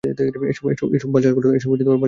এসব বাল-ছাল কথা বন্ধ করো।